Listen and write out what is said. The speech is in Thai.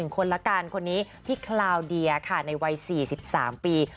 คนละกันคนนี้พี่คลาวเดียค่ะในวัย๔๓ปี